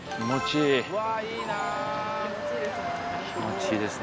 気持ちいい。